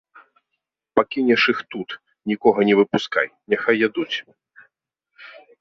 Пакінеш іх тут, нікога не выпускай, няхай ядуць.